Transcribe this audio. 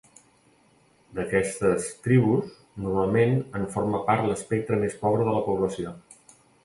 D'aquestes tribus, normalment en forma part l'espectre més pobre de la població.